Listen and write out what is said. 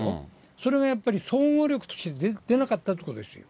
それがやっぱり、総合力として出なかったってことですよ。